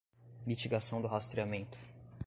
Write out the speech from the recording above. mitigação do rastreamento